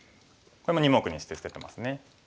これも２目にして捨ててますね。